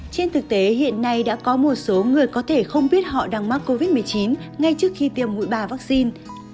trên thực tế hiện nay đã có một số người có thể không biết họ đang mắc covid một mươi chín ngay trước khi tiêm mũi ba vaccine